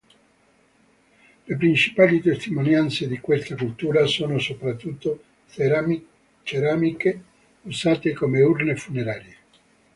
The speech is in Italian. Le principali testimonianze di questa cultura sono soprattutto ceramiche usate come urne funerarie.